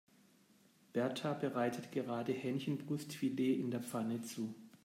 Berta bereitet gerade Hähnchenbrustfilet in der Pfanne zu.